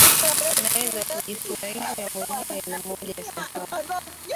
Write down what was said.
Unaweza kujifurahisha mwenyewe na moja ya safari